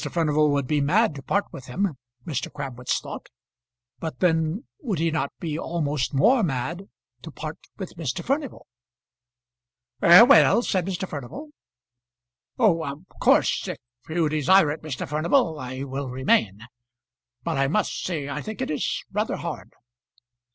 Furnival would be mad to part with him, Mr. Crabwitz thought; but then would he not be almost more mad to part with Mr. Furnival? "Eh; well?" said Mr. Furnival. "Oh! of course; if you desire it, Mr. Furnival, I will remain. But I must say I think it is rather hard."